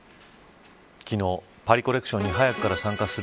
昨日、パリコレクションに早くから参加す